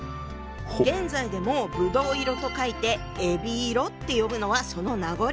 現在でも「葡萄色」と書いて「えびいろ」って呼ぶのはその名残。